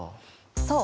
そう。